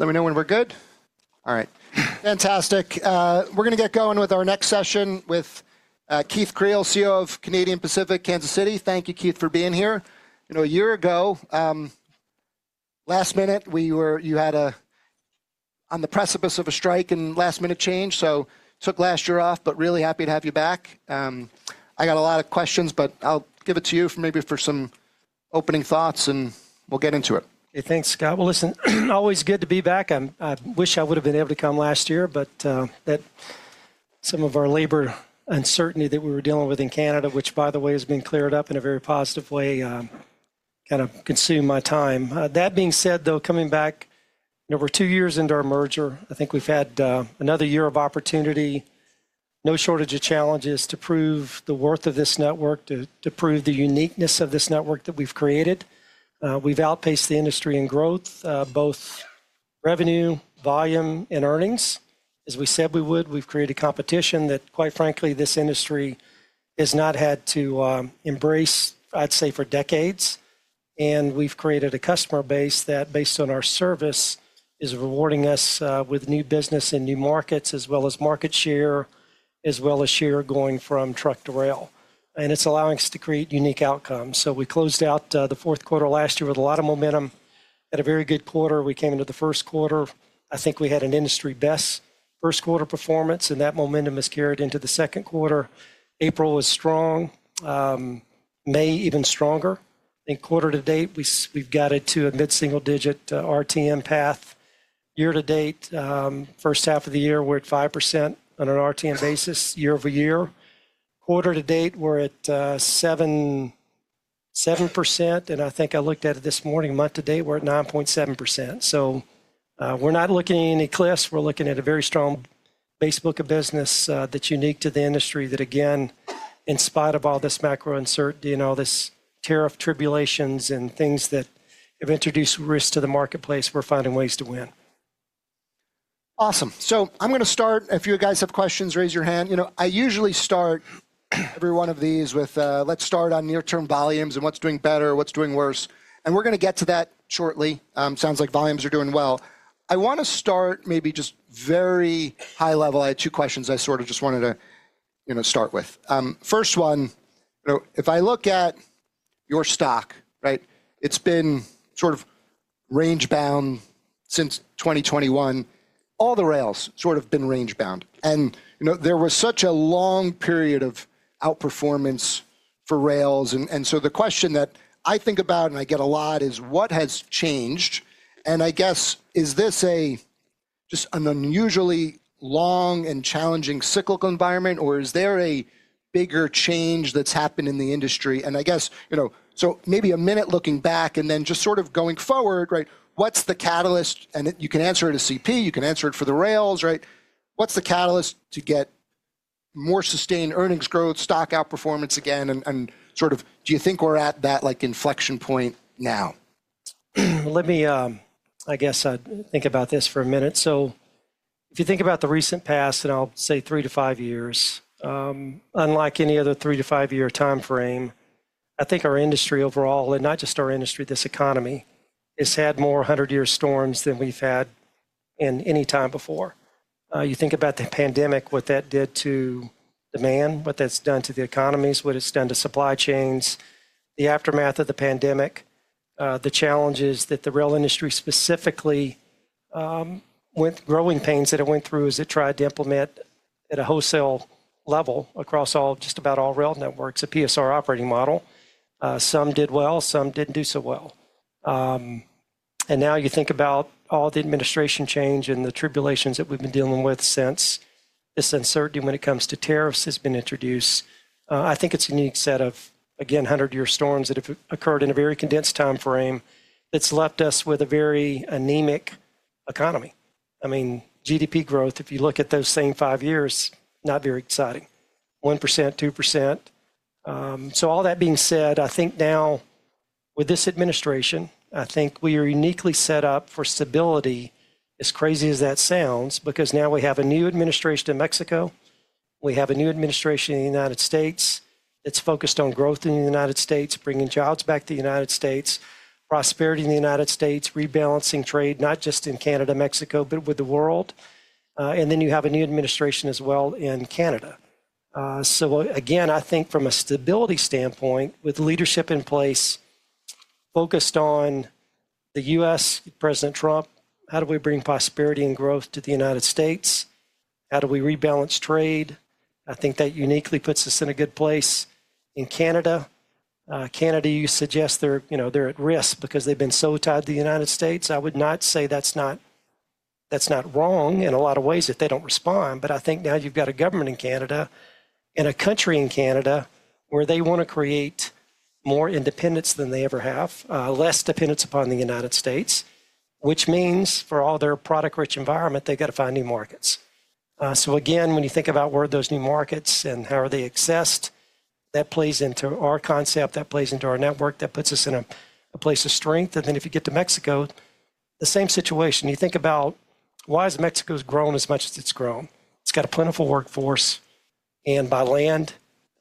Let me know when we're good. All right. Fantastic. We're going to get going with our next session with Keith Creel, CEO of Canadian Pacific Kansas City. Thank you, Keith, for being here. You know, a year ago, last minute, we were—you had a—on the precipice of a strike and last minute change, so took last year off, but really happy to have you back. I got a lot of questions, but I'll give it to you for maybe for some opening thoughts, and we'll get into it. Hey, thanks, Scott. Always good to be back. I wish I would have been able to come last year, but some of our labor uncertainty that we were dealing with in Canada, which, by the way, has been cleared up in a very positive way, kind of consumed my time. That being said, though, coming back, you know, we're two years into our merger. I think we've had another year of opportunity, no shortage of challenges to prove the worth of this network, to prove the uniqueness of this network that we've created. We've outpaced the industry in growth, both revenue, volume, and earnings. As we said we would, we've created competition that, quite frankly, this industry has not had to embrace, I'd say, for decades. We have created a customer base that, based on our service, is rewarding us with new business and new markets, as well as market share, as well as share going from truck to rail. It is allowing us to create unique outcomes. We closed out the fourth quarter last year with a lot of momentum. Had a very good quarter. We came into the first quarter. I think we had an industry best first quarter performance, and that momentum has carried into the second quarter. April was strong, May even stronger. I think quarter to date, we have got it to a mid-single digit RTM path. Year to date, first half of the year, we are at 5% on an RTM basis year over year. Quarter to date, we are at 7%. I think I looked at it this morning, month to date, we are at 9.7%. We're not looking at any cliffs. We're looking at a very strong basebook of business, that's unique to the industry that, again, in spite of all this macro uncertainty and all this tariff tribulations and things that have introduced risk to the marketplace, we're finding ways to win. Awesome. I'm going to start. If you guys have questions, raise your hand. You know, I usually start every one of these with, let's start on near-term volumes and what's doing better, what's doing worse. We're going to get to that shortly. Sounds like volumes are doing well. I want to start maybe just very high level. I had two questions I sort of just wanted to, you know, start with. First one, you know, if I look at your stock, right, it's been sort of range bound since 2021. All the rails have sort of been range bound. You know, there was such a long period of outperformance for rails. The question that I think about and I get a lot is, what has changed? I guess, is this just an unusually long and challenging cyclical environment, or is there a bigger change that's happened in the industry? I guess, you know, maybe a minute looking back and then just sort of going forward, right, what's the catalyst? You can answer it as CP, you can answer it for the rails, right? What's the catalyst to get more sustained earnings growth, stock outperformance again? Do you think we're at that, like, inflection point now? Let me, I guess, think about this for a minute. If you think about the recent past, and I'll say three to five years, unlike any other three- to five-year time frame, I think our industry overall, and not just our industry, this economy, has had more hundred-year storms than we've had in any time before. You think about the pandemic, what that did to demand, what that's done to the economies, what it's done to supply chains, the aftermath of the pandemic, the challenges that the rail industry specifically went through, growing pains that it went through as it tried to implement at a wholesale level across all, just about all rail networks, a PSR operating model. Some did well, some didn't do so well. Now you think about all the administration change and the tribulations that we've been dealing with since this uncertainty when it comes to tariffs has been introduced. I think it's a unique set of, again, hundred-year storms that have occurred in a very condensed time frame that's left us with a very anemic economy. I mean, GDP growth, if you look at those same five years, not very exciting. 1%, 2%. All that being said, I think now with this administration, I think we are uniquely set up for stability, as crazy as that sounds, because now we have a new administration in Mexico. We have a new administration in the United States that's focused on growth in the United States, bringing jobs back to the United States, prosperity in the United States, rebalancing trade, not just in Canada, Mexico, but with the world. and then you have a new administration as well in Canada. I think from a stability standpoint, with leadership in place, focused on the U.S., President Trump, how do we bring prosperity and growth to the United States? How do we rebalance trade? I think that uniquely puts us in a good place in Canada. Canada, you suggest they're, you know, they're at risk because they've been so tied to the United States. I would not say that's not, that's not wrong in a lot of ways if they don't respond. I think now you've got a government in Canada and a country in Canada where they want to create more independence than they ever have, less dependence upon the United States, which means for all their product-rich environment, they've got to find new markets. Again, when you think about where those new markets and how are they accessed, that plays into our concept, that plays into our network, that puts us in a place of strength. If you get to Mexico, the same situation. You think about why has Mexico grown as much as it's grown? It's got a plentiful workforce. By land,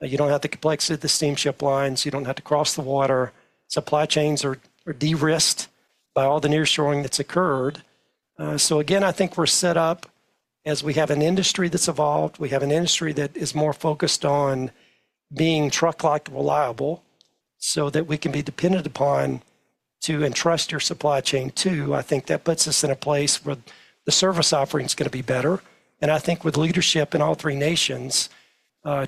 you don't have the complexity of the steamship lines. You don't have to cross the water. Supply chains are de-risked by all the nearshoring that's occurred. Again, I think we're set up as we have an industry that's evolved. We have an industry that is more focused on being truck-like, reliable, so that we can be dependent upon to entrust your supply chain to. I think that puts us in a place where the service offering is going to be better. I think with leadership in all three nations,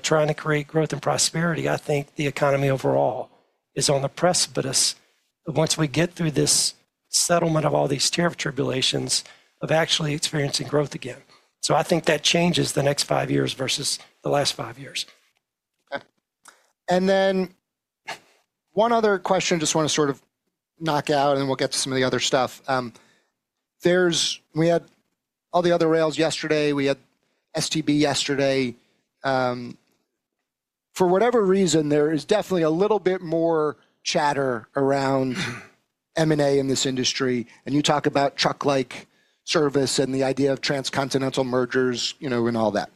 trying to create growth and prosperity, I think the economy overall is on the precipice of once we get through this settlement of all these tariff tribulations of actually experiencing growth again. I think that changes the next five years versus the last five years. Okay. And then one other question, just want to sort of knock out, and then we'll get to some of the other stuff. We had all the other rails yesterday. We had STB yesterday. For whatever reason, there is definitely a little bit more chatter around M&A in this industry. You talk about truck-like service and the idea of TRANSCONtinental mergers, you know, and all that.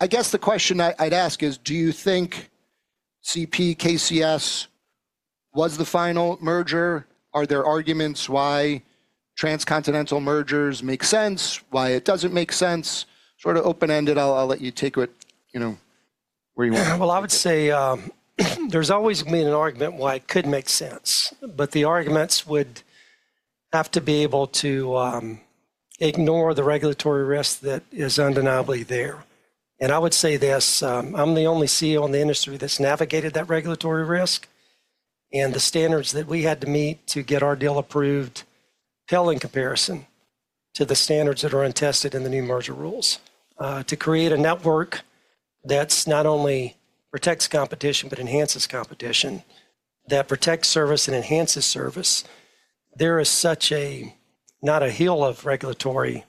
I guess the question I'd ask is, do you think CP, KCS was the final merger? Are there arguments why TRANSCONtinental mergers make sense, why it doesn't make sense? Sort of open-ended. I'll let you take it, you know, where you want. I would say, there's always been an argument why it could make sense, but the arguments would have to be able to ignore the regulatory risk that is undeniably there. I would say this, I'm the only CEO in the industry that's navigated that regulatory risk. The standards that we had to meet to get our deal approved fell in comparison to the standards that are untested in the new merger rules. To create a network that not only protects competition, but enhances competition, that protects service and enhances service, there is such a, not a hill of regulatory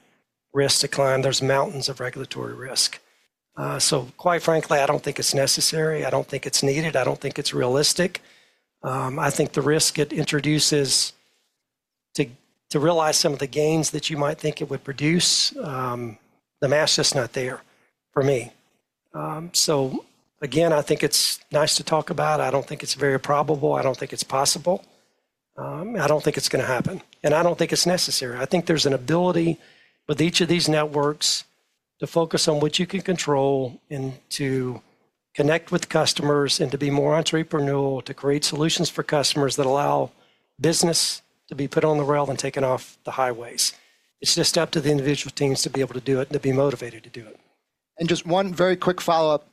risk to climb. There are mountains of regulatory risk. Quite frankly, I don't think it's necessary. I don't think it's needed. I don't think it's realistic. I think the risk it introduces to realize some of the gains that you might think it would produce, the math's just not there for me. I think it's nice to talk about. I don't think it's very probable. I don't think it's possible. I don't think it's going to happen. I don't think it's necessary. I think there's an ability with each of these networks to focus on what you can control and to connect with customers and to be more entrepreneurial, to create solutions for customers that allow business to be put on the rail and taken off the highways. It's just up to the individual teams to be able to do it and to be motivated to do it. Just one very quick follow-up,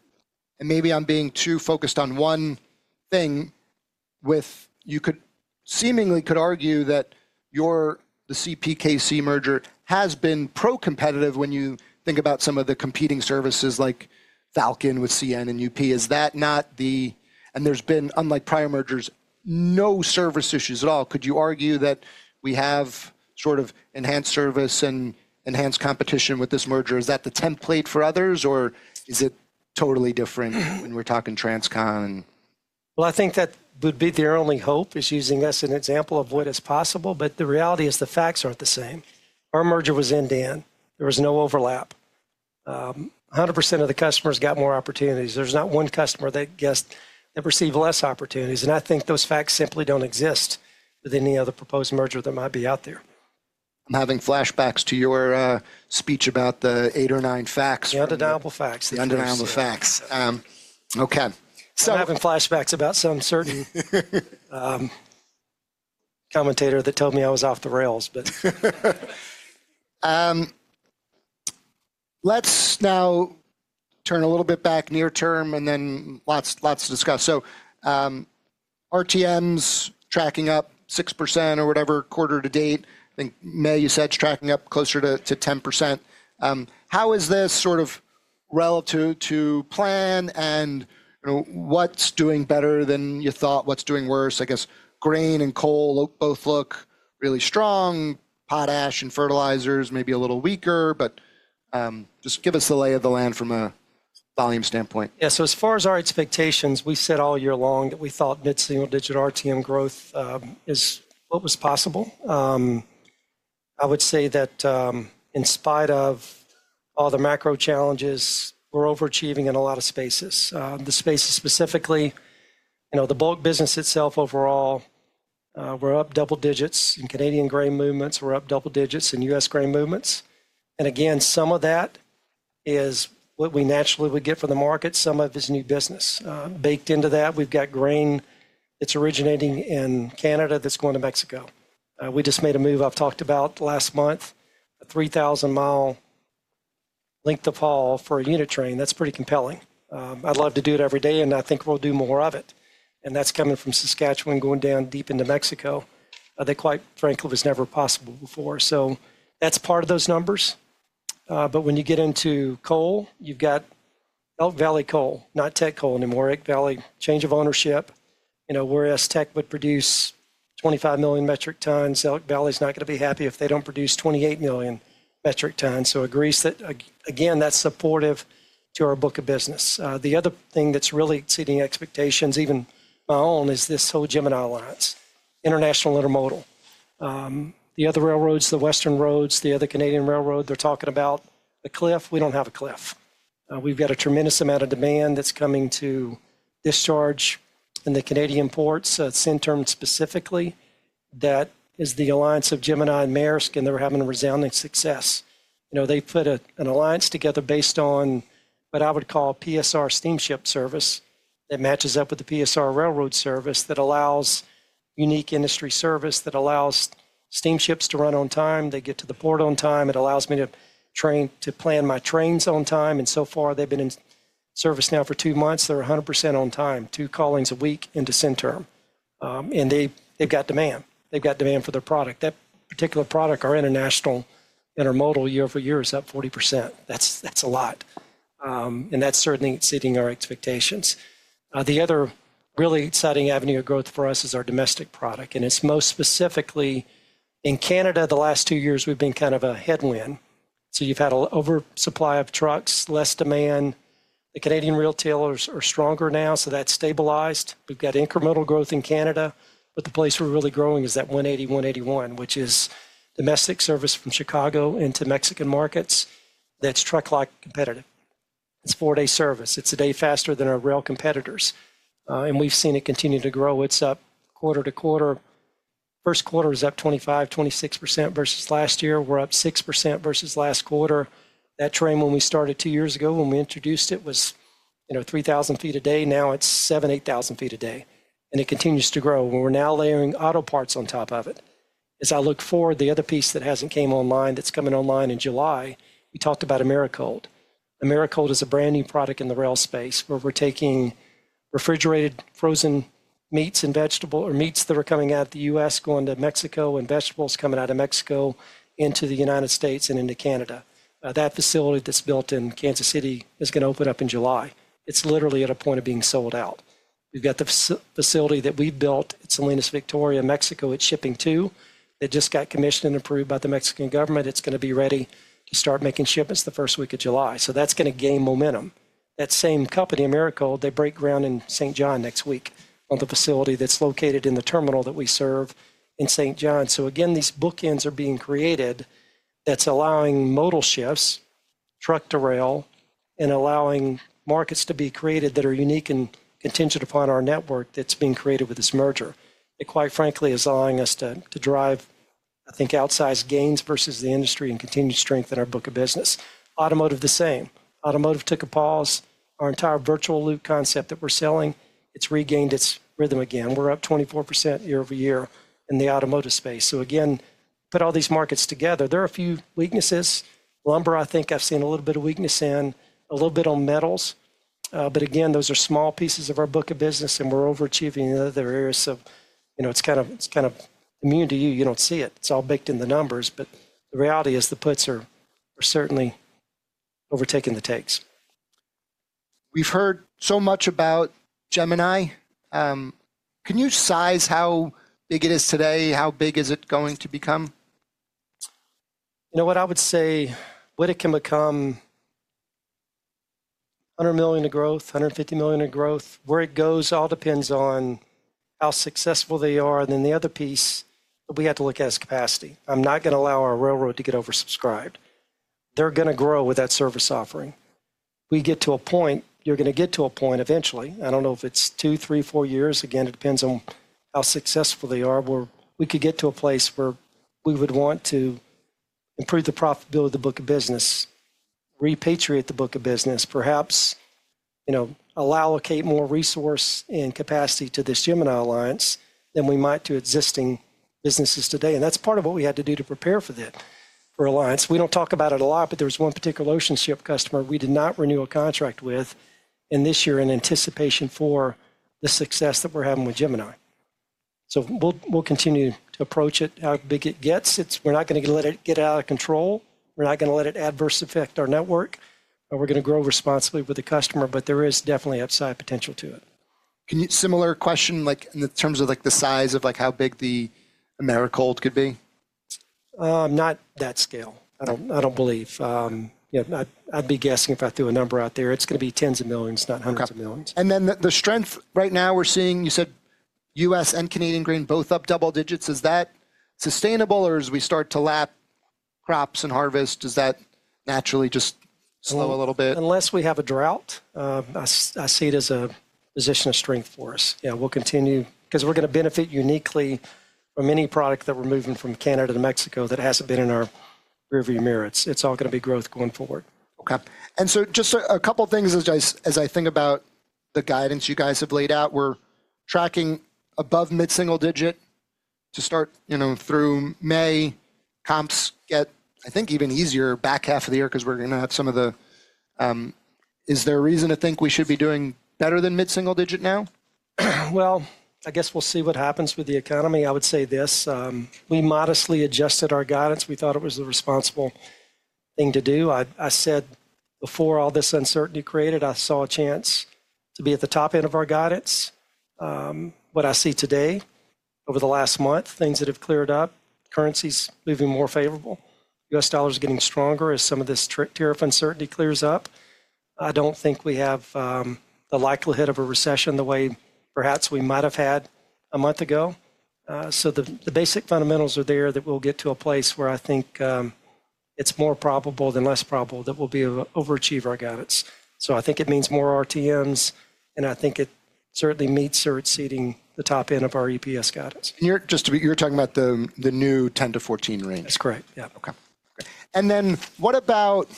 and maybe I'm being too focused on one thing with, you could seemingly could argue that your, the CPKC merger has been pro-competitive when you think about some of the competing services like Falcon with CN and UP. Is that not the, and there's been, unlike prior mergers, no service issues at all? Could you argue that we have sort of enhanced service and enhanced competition with this merger? Is that the template for others, or is it totally different when we're talking TRANSCON? I think that would be their only hope is using us as an example of what is possible. The reality is the facts are not the same. Our merger was end-to-end. There was no overlap. 100% of the customers got more opportunities. There is not one customer that received less opportunities. I think those facts simply do not exist with any other proposed merger that might be out there. I'm having flashbacks to your speech about the eight or nine facts. The undeniable facts. The undeniable facts, okay. I'm having flashbacks about some certain commentator that told me I was off the rails, but. Let's now turn a little bit back near-term and then lots, lots to discuss. So, RTM's tracking up 6% or whatever quarter to date. I think May, you said, is tracking up closer to 10%. How is this sort of relative to plan and, you know, what's doing better than you thought? What's doing worse? I guess grain and coal both look really strong. Potash and fertilizers may be a little weaker, but, just give us the lay of the land from a volume standpoint. Yeah. As far as our expectations, we said all year long that we thought mid-single digit RTM growth is what was possible. I would say that, in spite of all the macro challenges, we're overachieving in a lot of spaces. The spaces specifically, you know, the bulk business itself overall, we're up double digits in Canadian grain movements. We're up double digits in U.S. grain movements. Again, some of that is what we naturally would get for the market. Some of it is new business. Baked into that, we've got grain that's originating in Canada that's going to Mexico. We just made a move I talked about last month, a 3,000 mi length of haul for a unit train. That's pretty compelling. I'd love to do it every day, and I think we'll do more of it. That's coming from Saskatchewan going down deep into Mexico, that quite frankly was never possible before. That's part of those numbers. When you get into coal, you've got Elk Valley coal, not Teck coal anymore. Elk Valley, change of ownership, you know, whereas Teck would produce 25 million metric tons, Elk Valley is not going to be happy if they do not produce 28 million metric tons. So agrees that, again, that's supportive to our book of business. The other thing that's really exceeding expectations, even my own, is this whole Gemini Alliance, International Intermodal. The other railroads, the Western roads, the other Canadian railroad, they're talking about the cliff. We do not have a cliff. We've got a tremendous amount of demand that's coming to discharge in the Canadian ports. It's interim specifically. That is the alliance of Gemini and Maersk, and they're having a resounding success. You know, they put an alliance together based on what I would call PSR steamship service that matches up with the PSR railroad service that allows unique industry service that allows steamships to run on time. They get to the port on time. It allows me to plan my trains on time. And so far, they've been in service now for two months. They're 100% on time, two callings a week into [Syn Term,] and they've got demand. They've got demand for their product. That particular product, our International Intermodal year over year is up 40%. That's a lot, and that's certainly exceeding our expectations. The other really exciting avenue of growth for us is our domestic product. And it's most specifically in Canada. The last two years, we've been kind of a headwind. So you've had an oversupply of trucks, less demand. The Canadian retailers are stronger now, so that's stabilized. We've got incremental growth in Canada, but the place we're really growing is that 180-181, which is domestic service from Chicago into Mexican markets. That's truck-like competitive. It's four-day service. It's a day faster than our rail competitors, and we've seen it continue to grow. It's up quarter to quarter. First quarter is up 25%-26% versus last year. We're up 6% versus last quarter. That train when we started two years ago, when we introduced it, was, you know, 3,000 feet a day. Now it's 7,000-8,000 feet a day. And it continues to grow. We're now layering auto parts on top of it. As I look forward, the other piece that hasn't come online, that's coming online in July, we talked about Americold. Americold is a brand new product in the rail space where we're taking refrigerated, frozen meats and vegetable or meats that are coming out of the U.S. going to Mexico and vegetables coming out of Mexico into the United States and into Canada. That facility that's built in Kansas City is going to open up in July. It's literally at a point of being sold out. We've got the facility that we've built. It's in [Lázaro Cárdenas], Victoria, Mexico. It's shipping too. It just got commissioned and approved by the Mexican government. It's going to be ready to start making shipments the first week of July. That is going to gain momentum. That same company, Americold, they break ground in Saint John next week on the facility that's located in the terminal that we serve in Saint John. Again, these bookends are being created that's allowing modal shifts, truck to rail, and allowing markets to be created that are unique and contingent upon our network that's being created with this merger. It quite frankly is allowing us to drive, I think, outsized gains versus the industry and continue to strengthen our book of business. Automotive, the same. Automotive took a pause. Our entire Virtual Loop concept that we're selling, it's regained its rhythm again. We're up 24% year over year in the automotive space. Again, put all these markets together. There are a few weaknesses. Lumber, I think I've seen a little bit of weakness in, a little bit on metals. Again, those are small pieces of our book of business and we're overachieving in other areas of, you know, it's kind of, it's kind of immune to you. You don't see it. It's all baked in the numbers, but the reality is the puts are certainly overtaking the takes. We've heard so much about Gemini. Can you size how big it is today? How big is it going to become? You know what I would say, what it can become, $100 million of growth, $150 million of growth, where it goes all depends on how successful they are. The other piece that we have to look at is capacity. I'm not going to allow our railroad to get oversubscribed. They're going to grow with that service offering. We get to a point, you're going to get to a point eventually. I don't know if it's two, three, four years. Again, it depends on how successful they are. We could get to a place where we would want to improve the profitability of the book of business, repatriate the book of business, perhaps, you know, allocate more resource and capacity to this Gemini Alliance than we might to existing businesses today. That's part of what we had to do to prepare for that, for Alliance. We don't talk about it a lot, but there was one particular ocean ship customer we did not renew a contract with in this year in anticipation for the success that we're having with Gemini. We'll continue to approach it how big it gets. We're not going to let it get out of control. We're not going to let it adverse affect our network. We're going to grow responsibly with the customer, but there is definitely upside potential to it. Can you, similar question, like in the terms of like the size of like how big the Americold could be? Not that scale. I don't, I don't believe. You know, I'd be guessing if I threw a number out there. It's going to be tens of millions, not hundreds of millions. The strength right now we're seeing, you said U.S. and Canadian grain both up double digits. Is that sustainable or as we start to lap crops and harvest, does that naturally just slow a little bit? Unless we have a drought, I see it as a position of strength for us. Yeah, we'll continue because we're going to benefit uniquely from any product that we're moving from Canada to Mexico that hasn't been in our rearview mirror. It's all going to be growth going forward. Okay. And so just a couple of things as I, as I think about the guidance you guys have laid out. We're tracking above mid-single digit to start, you know, through May. Comps get, I think, even easier back half of the year because we're going to have some of the, is there a reason to think we should be doing better than mid-single digit now? I guess we'll see what happens with the economy. I would say this, we modestly adjusted our guidance. We thought it was the responsible thing to do. I said before all this uncertainty created, I saw a chance to be at the top end of our guidance. What I see today over the last month, things that have cleared up, currencies moving more favorable, U.S. dollars getting stronger as some of this tariff uncertainty clears up. I don't think we have the likelihood of a recession the way perhaps we might have had a month ago. The basic fundamentals are there that we'll get to a place where I think it's more probable than less probable that we'll overachieve our guidance. I think it means more RTMs and I think it certainly meets or exceeding the top end of our EPS guidance. You're just, you're talking about the new 10-14 range. That's correct. Yeah. Okay. What about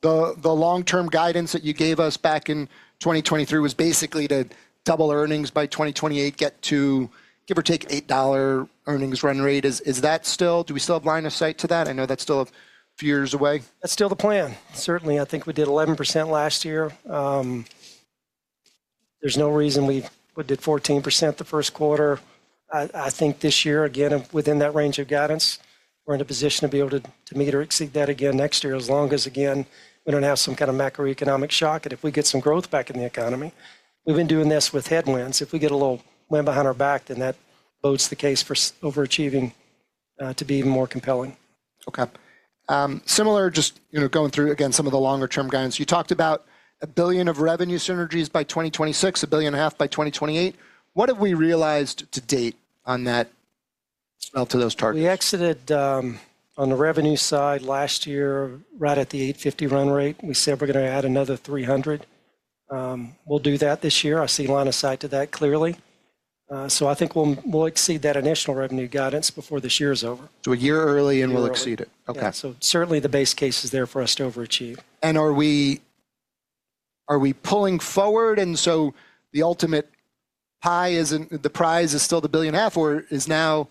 the long-term guidance that you gave us back in 2023 was basically to double earnings by 2028, get to give or take $8 earnings run rate. Is that still, do we still have line of sight to that? I know that's still a few years away. That's still the plan. Certainly, I think we did 11% last year. There's no reason we did 14% the first quarter. I think this year, again, within that range of guidance, we're in a position to be able to meet or exceed that again next year as long as, again, we don't have some kind of macroeconomic shock. If we get some growth back in the economy, we've been doing this with headwinds. If we get a little wind behind our back, then that bodes the case for overachieving, to be even more compelling. Okay. Similar, just, you know, going through again, some of the longer-term guidance. You talked about $1 billion of revenue synergies by 2026, $1.5 billion by 2028. What have we realized to date on that, to those targets? We exited, on the revenue side last year right at the $850 million run rate. We said we're going to add another $300 million. We'll do that this year. I see line of sight to that clearly. I think we'll exceed that initial revenue guidance before this year is over. A year early and we'll exceed it. Okay. Yeah. Certainly the base case is there for us to overachieve. Are we pulling forward? The ultimate pie, is the prize still the $1.5 billion, or is now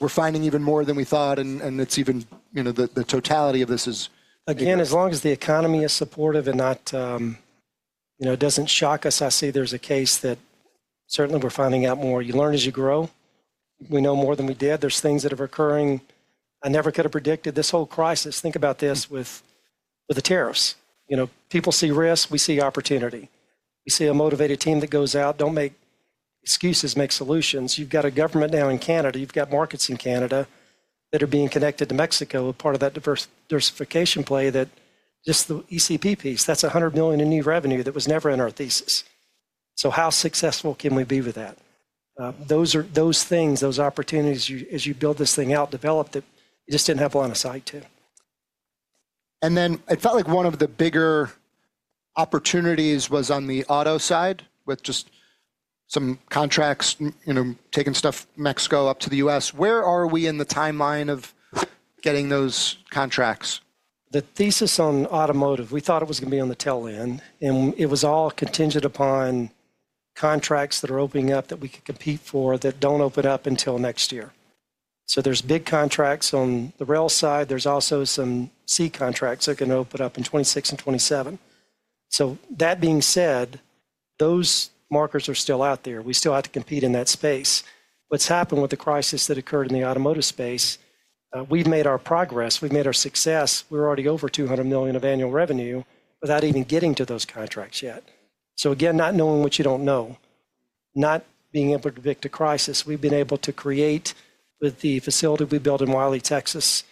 we're finding even more than we thought, and it's even, you know, the totality of this is. Again, as long as the economy is supportive and not, you know, it does not shock us. I see there is a case that certainly we are finding out more. You learn as you grow. We know more than we did. There are things that are occurring. I never could have predicted this whole crisis. Think about this with, with the tariffs. You know, people see risk, we see opportunity. We see a motivated team that goes out. Do not make excuses, make solutions. You have got a government now in Canada. You have got markets in Canada that are being connected to Mexico as part of that diversification play that just the ECP piece, that is $100 million in new revenue that was never in our thesis. So how successful can we be with that? Those are those things, those opportunities as you build this thing out, develop, that you just didn't have a line of sight to. It felt like one of the bigger opportunities was on the auto side with just some contracts, you know, taking stuff from Mexico up to the U.S. Where are we in the timeline of getting those contracts? The thesis on automotive, we thought it was going to be on the tail end and it was all contingent upon contracts that are opening up that we could compete for that do not open up until next year. There are big contracts on the rail side. There are also some sea contracts that can open up in 2026 and 2027. That being said, those markers are still out there. We still have to compete in that space. What has happened with the crisis that occurred in the automotive space? We have made our progress. We have made our success. We are already over $200 million of annual revenue without even getting to those contracts yet. Again, not knowing what you do not know, not being able to predict a crisis. We've been able to create with the facility we built in Wylie, Texas,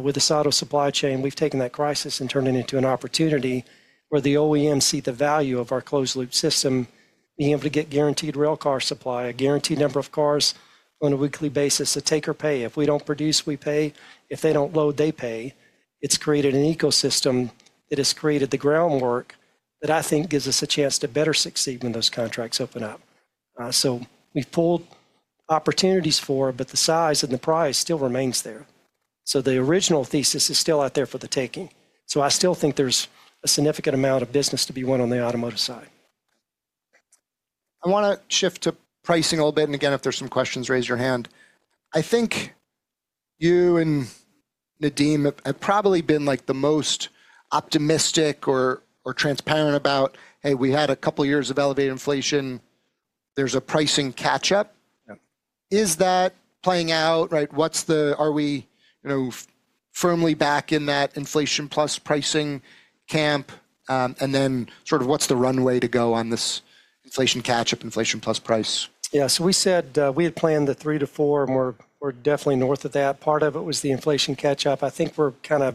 with this auto supply chain, we've taken that crisis and turned it into an opportunity where the OEMs see the value of our closed loop system, being able to get guaranteed rail car supply, a guaranteed number of cars on a weekly basis to take or pay. If we don't produce, we pay. If they don't load, they pay. It's created an ecosystem that has created the groundwork that I think gives us a chance to better succeed when those contracts open up. We've pulled opportunities forward, but the size and the price still remains there. The original thesis is still out there for the taking. I still think there's a significant amount of business to be won on the automotive side. I want to shift to pricing a little bit and again, if there are some questions, raise your hand. I think you and Nadeem have probably been like the most optimistic or, or transparent about, hey, we had a couple of years of elevated inflation. There is a pricing catch-up. Is that playing out? Right. Are we, you know, firmly back in that inflation plus pricing camp? and then sort of what is the runway to go on this inflation catch-up, inflation plus price? Yeah. We said we had planned the three to four and we're definitely north of that. Part of it was the inflation catch-up. I think we're kind of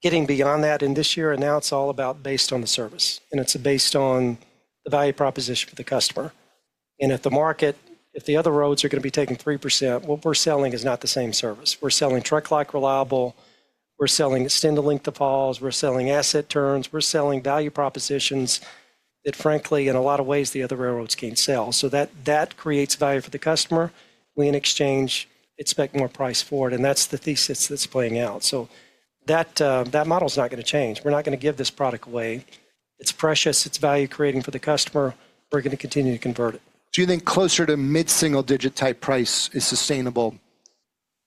getting beyond that in this year. Now it's all about based on the service and it's based on the value proposition for the customer. If the market, if the other roads are going to be taking 3%, what we're selling is not the same service. We're selling truck lock reliable. We're selling stint link to falls. We're selling asset turns. We're selling value propositions that, frankly, in a lot of ways, the other railroads can't sell. That creates value for the customer. We in exchange expect more price for it. That's the thesis that's playing out. That model's not going to change. We're not going to give this product away. It's precious. It's value creating for the customer. We're going to continue to convert it. Do you think closer to mid-single digit type price is sustainable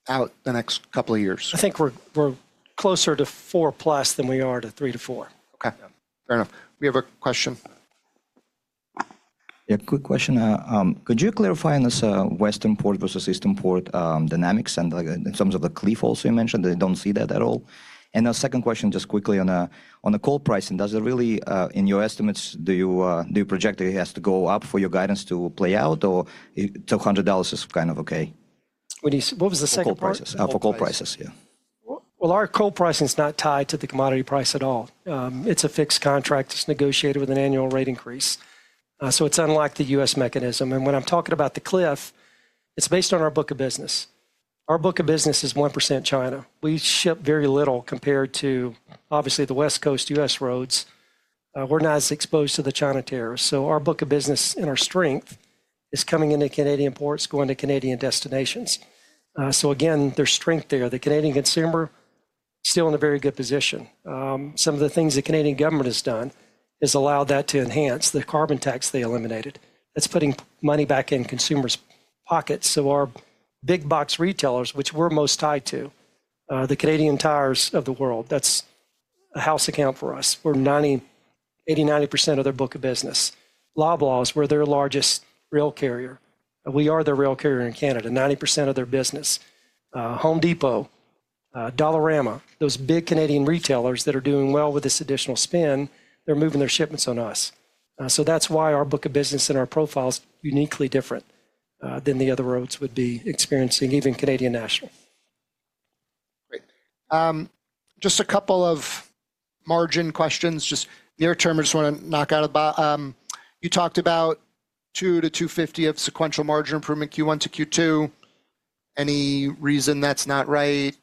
out the next couple of years? I think we're closer to four plus than we are to three to four. Okay. Fair enough. We have a question. Yeah. Quick question. Could you clarify on this Western Port versus Eastern Port dynamics and like in terms of the cleave also you mentioned that they do not see that at all? A second question just quickly on a coal pricing, does it really, in your estimates, do you project that it has to go up for your guidance to play out or $200 is kind of okay? What was the second question? For coal prices. Yeah. Our coal pricing is not tied to the commodity price at all. It's a fixed contract that's negotiated with an annual rate increase. It's unlike the U.S. mechanism. When I'm talking about the cliff, it's based on our book of business. Our book of business is 1% China. We ship very little compared to obviously the West Coast U.S. roads. We're not as exposed to the China tariffs. Our book of business and our strength is coming into Canadian ports, going to Canadian destinations. There is strength there. The Canadian consumer is still in a very good position. Some of the things the Canadian government has done has allowed that to enhance the carbon tax they eliminated. That's putting money back in consumers' pockets. Our big box retailers, which we're most tied to, the Canadian Tires of the world, that's a house account for us. We're 80-90% of their book of business. Loblaws, we're their largest rail carrier. We are their rail carrier in Canada. 90% of their business. Home Depot, Dollarama, those big Canadian retailers that are doing well with this additional spin, they're moving their shipments on us. That's why our book of business and our profile is uniquely different than the other roads would be experiencing, even Canadian National. Great. Just a couple of margin questions, just near term, I just want to knock out of the box. You talked about 200-250 of sequential margin improvement Q1 to Q2. Any reason that's not right?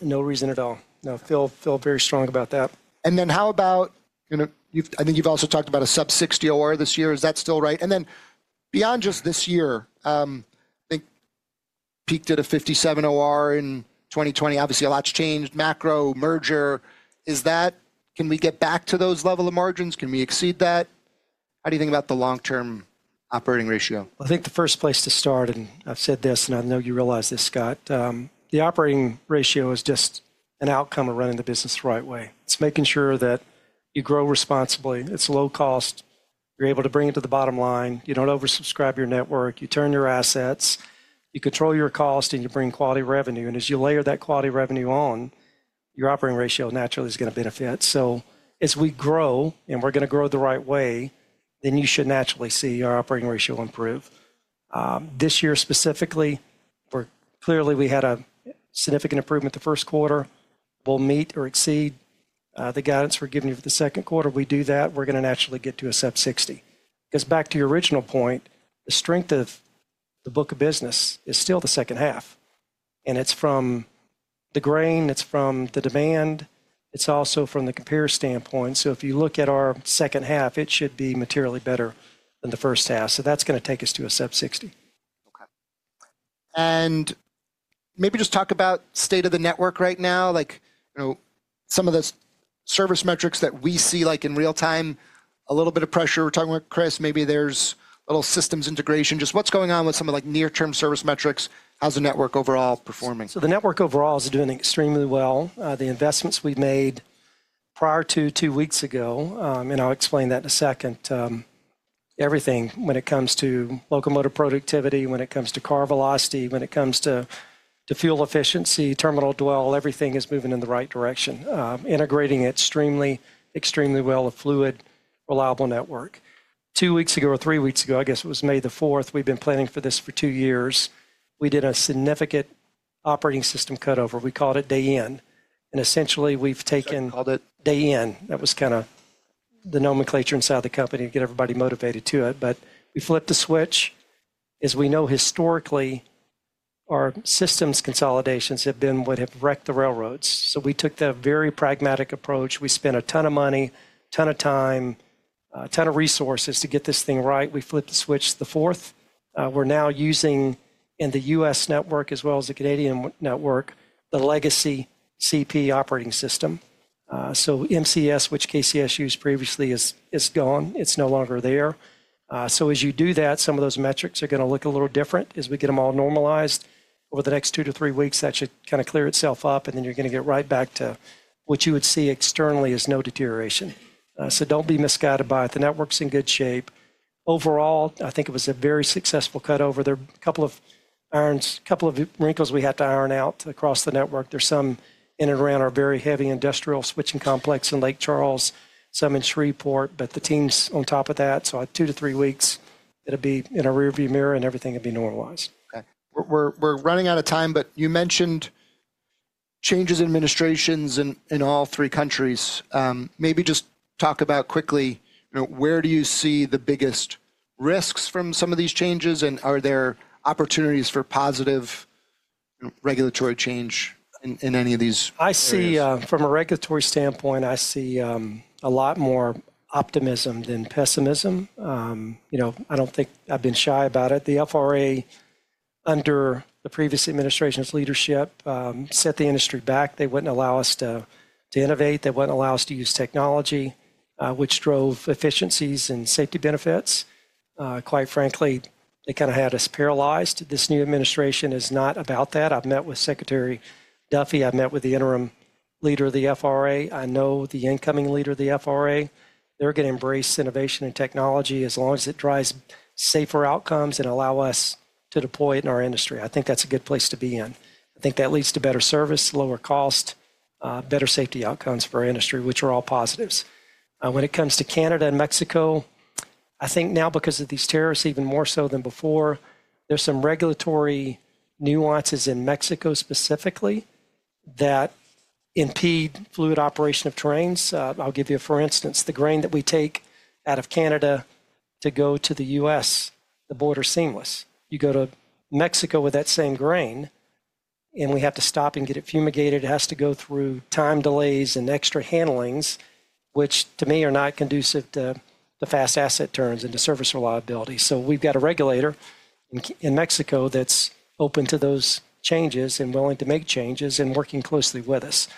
No reason at all. No, feel, feel very strong about that. How about, you know, you've, I think you've also talked about a sub-60% OR this year. Is that still right? Beyond just this year, I think peaked at a 57% OR in 2020. Obviously, a lot's changed. Macro merger. Is that, can we get back to those level of margins? Can we exceed that? How do you think about the long-term operating ratio? I think the first place to start, and I've said this, and I know you realize this, Scott, the operating ratio is just an outcome of running the business the right way. It's making sure that you grow responsibly. It's low cost. You're able to bring it to the bottom line. You don't oversubscribe your network. You turn your assets. You control your cost and you bring quality revenue. As you layer that quality revenue on, your operating ratio naturally is going to benefit. As we grow and we're going to grow the right way, then you should naturally see our operating ratio improve. This year specifically, we're clearly, we had a significant improvement the first quarter. We'll meet or exceed the guidance we're giving you for the second quarter. We do that. We're going to naturally get to a sub-60. Because back to your original point, the strength of the book of business is still the second half. It is from the grain. It is from the demand. It is also from the comparison standpoint. If you look at our second half, it should be materially better than the first half. That is going to take us to a sub-60. Okay. Maybe just talk about state of the network right now. Like, you know, some of the service metrics that we see, like in real time, a little bit of pressure. We're talking with Chris, maybe there's a little systems integration. Just what's going on with some of, like, near-term service metrics? How's the network overall performing? The network overall is doing extremely well. The investments we have made prior to two weeks ago, and I will explain that in a second, everything when it comes to locomotive productivity, when it comes to car velocity, when it comes to fuel efficiency, terminal dwell, everything is moving in the right direction. Integrating it extremely, extremely well with a fluid, reliable network. Two weeks ago or three weeks ago, I guess it was May the 4th, we have been planning for this for two years. We did a significant operating system cutover. We called it day in. Essentially, we have taken day in. That was kind of the nomenclature inside the company to get everybody motivated to it. We flipped the switch. As we know historically, our systems consolidations have been what have wrecked the railroads. We took the very pragmatic approach. We spent a ton of money, a ton of time, a ton of resources to get this thing right. We flipped the switch the 4th. We're now using in the U.S. network as well as the Canadian network, the legacy CP operating system. MCS, which KCS used previously, is gone. It's no longer there. As you do that, some of those metrics are going to look a little different as we get them all normalized over the next two to three weeks. That should kind of clear itself up. You are going to get right back to what you would see externally as no deterioration. Do not be misguided by it. The network's in good shape. Overall, I think it was a very successful cutover. There are a couple of irons, a couple of wrinkles we had to iron out across the network. There's some in and around our very heavy industrial switching complex in Lake Charles, some in Shreveport, but the team's on top of that. I said two to three weeks that'd be in a rearview mirror and everything would be normalized. Okay. We're running out of time, but you mentioned changes in administrations in all three countries. Maybe just talk about quickly, you know, where do you see the biggest risks from some of these changes? And are there opportunities for positive regulatory change in any of these? I see, from a regulatory standpoint, I see a lot more optimism than pessimism. You know, I don't think I've been shy about it. The FRA under the previous administration's leadership set the industry back. They wouldn't allow us to innovate. They wouldn't allow us to use technology, which drove efficiencies and safety benefits. Quite frankly, they kind of had us paralyzed. This new administration is not about that. I've met with Secretary Duffy. I've met with the interim leader of the FRA. I know the incoming leader of the FRA. They're going to embrace innovation and technology as long as it drives safer outcomes and allows us to deploy it in our industry. I think that's a good place to be in. I think that leads to better service, lower cost, better safety outcomes for our industry, which are all positives. When it comes to Canada and Mexico, I think now because of these tariffs, even more so than before, there's some regulatory nuances in Mexico specifically that impede fluid operation of trains. I'll give you a for instance, the grain that we take out of Canada to go to the U.S., the border's seamless. You go to Mexico with that same grain and we have to stop and get it fumigated. It has to go through time delays and extra handlings, which to me are not conducive to the fast asset turns and the service reliability. We've got a regulator in Mexico that's open to those changes and willing to make changes and working closely with us.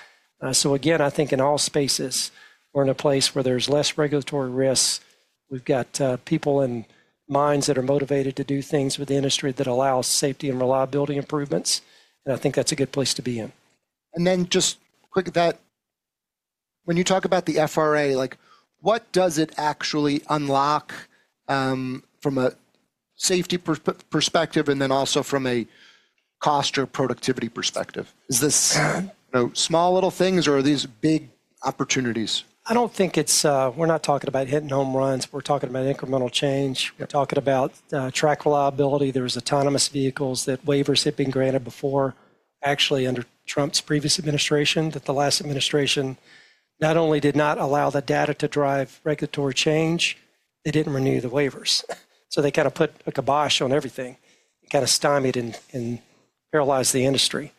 I think in all spaces, we're in a place where there's less regulatory risks. We've got people and minds that are motivated to do things with the industry that allow safety and reliability improvements. I think that's a good place to be in. When you talk about the FRA, like what does it actually unlock, from a safety perspective and then also from a cost or productivity perspective? Is this, you know, small little things or are these big opportunities? I don't think it's, we're not talking about hitting home runs. We're talking about incremental change. We're talking about track reliability. There's autonomous vehicles that waivers had been granted before actually under Trump's previous administration. The last administration not only did not allow the data to drive regulatory change, they didn't renew the waivers. They kind of put a kibosh on everything, kind of stymied and paralyzed the industry.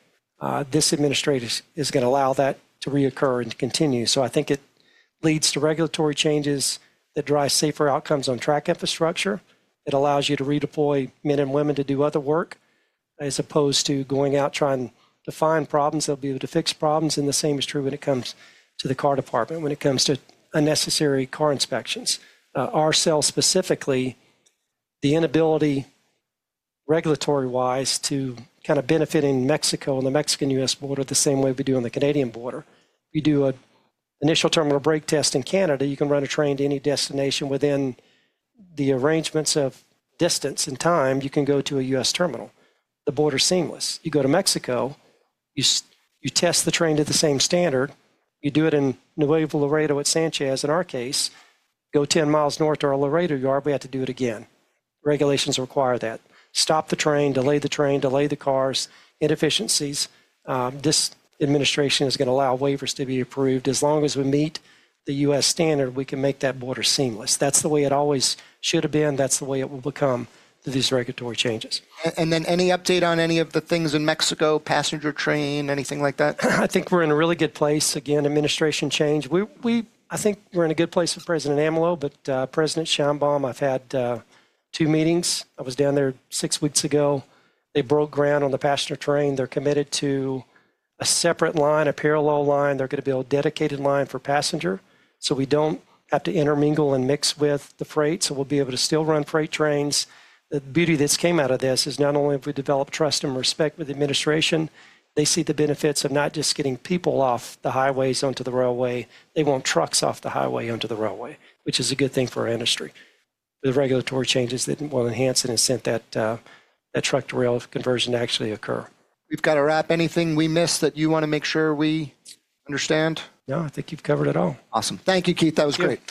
This administrator is going to allow that to reoccur and to continue. I think it leads to regulatory changes that drive safer outcomes on track infrastructure. It allows you to redeploy men and women to do other work as opposed to going out trying to find problems that'll be able to fix problems. The same is true when it comes to the car department, when it comes to unnecessary car inspections. Our sale specifically, the inability regulatory-wise to kind of benefit in Mexico and the Mexican-U.S. border the same way we do on the Canadian border. You do an initial terminal brake test in Canada, you can run a train to any destination within the arrangements of distance and time, you can go to a U.S. terminal. The border's seamless. You go to Mexico, you test the train to the same standard. You do it in Nuevo Laredo at Sanchez in our case, go 10 miles north to our Laredo yard, we have to do it again. Regulations require that. Stop the train, delay the train, delay the cars, inefficiencies. This administration is going to allow waivers to be approved. As long as we meet the U.S. standard, we can make that border seamless. That's the way it always should have been. That's the way it will become with these regulatory changes. Any update on any of the things in Mexico, passenger train, anything like that? I think we're in a really good place. Again, administration change. I think we're in a good place with President AMLO, but President Sheinbaum, I've had two meetings. I was down there six weeks ago. They broke ground on the passenger train. They're committed to a separate line, a parallel line. There's going to be a dedicated line for passenger. We don't have to intermingle and mix with the freight. We'll be able to still run freight trains. The beauty that's came out of this is not only have we developed trust and respect with the administration, they see the benefits of not just getting people off the highways onto the railway. They want trucks off the highway onto the railway, which is a good thing for our industry. The regulatory changes that will enhance and incent that truck-to-rail conversion to actually occur. You, ve got to wrap. Anything we missed that you want to make sure we understand? No, I think you've covered it all. Awesome. Thank you, Keith. That was great.